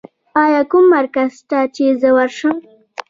ایا کوم مرکز شته چې زه ورشم؟